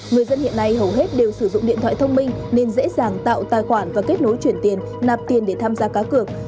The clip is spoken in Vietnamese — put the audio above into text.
người dân hiện nay hầu hết đều sử dụng điện thoại thông minh nên dễ dàng tạo tài khoản và kết nối chuyển tiền nạp tiền để tham gia cá cược